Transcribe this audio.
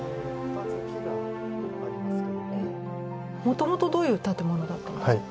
もともとどういう建物だったんですか？